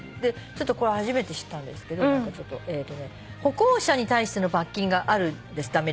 ちょっとこれ初めて知ったんですけど歩行者に対しての罰金があるんですってアメリカって。